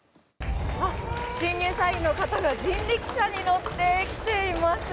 新入社員の方が人力車に乗ってきています。